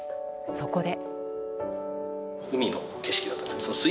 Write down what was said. そこで。